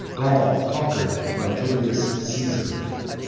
GAUL CONQUERED BY JULIUS CAESAR.